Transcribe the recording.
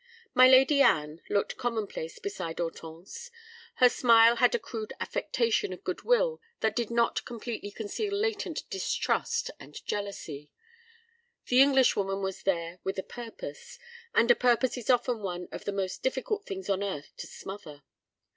My Lady Anne looked commonplace beside Hortense. Her smile had a crude affectation of good will that did not completely conceal latent distrust and jealousy. The Englishwoman was there with a purpose, and a purpose is often one of the most difficult things on earth to smother.